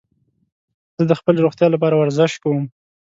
زه د خپلې روغتیا لپاره ورزش کوم.